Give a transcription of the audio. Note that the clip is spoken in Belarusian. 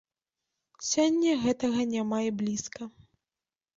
Сёння гэтага няма і блізка.